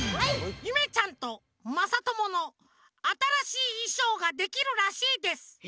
ゆめちゃんとまさとものあたらしいいしょうができるらしいです。